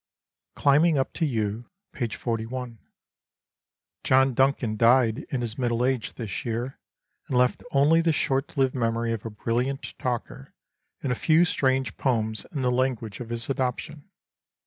Climbing Up to You (p. 41). John Duncan died in his middle age this year, and left only the short lived memory of a brilliant talker and a few strange poems in the language of his adoption.